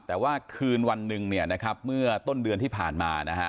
แต่ว่าคืนวันหนึ่งเนี่ยนะครับเมื่อต้นเดือนที่ผ่านมานะฮะ